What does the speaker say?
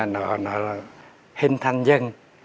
nó là hình thành dân